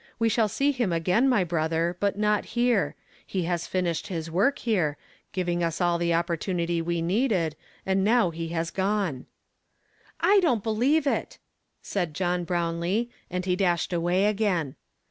We shall see him again, my brother, but not here ; he has finished his work here, giving us all the opportunity we needed, and now he has gone." "I don't believe it!" said John Brownlee, and he dashed away again.